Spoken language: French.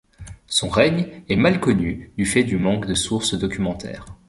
Son règne est mal connu du fait du manque de sources documentaires.